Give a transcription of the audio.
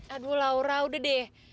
aduh laura udah deh